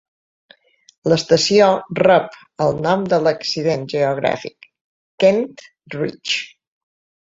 L'estació rep el nom de l'accident geogràfic, Kent Ridge.